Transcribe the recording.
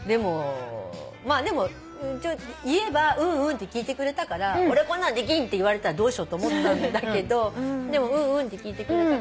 でも言えばうんうんって聞いてくれたから俺こんなんできんって言われたらどうしようと思ったんだけどでもうんうんって聞いてくれたから。